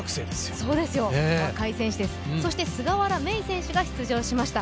若い選手です、そして菅原芽衣選手が出場しました。